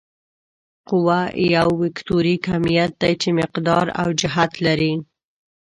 قوه یو وکتوري کمیت دی چې مقدار او جهت لري.